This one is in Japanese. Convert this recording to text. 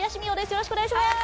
よろしくお願いします。